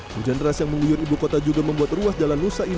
hujan deras yang menguyur ibu kota juga membuat kota tersebut terlalu panjang